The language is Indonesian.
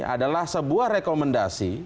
adalah sebuah rekomendasi